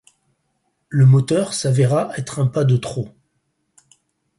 Le moteur s'avéra être un pas de trop.